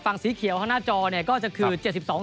ฝั่งสีเขียวข้างหน้าจอเนี่ยก็จะคือ๗๒เสียง